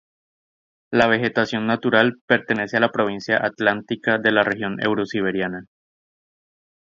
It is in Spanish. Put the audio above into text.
La vegetación natural pertenece a la provincia atlántica de la región euro-siberiana.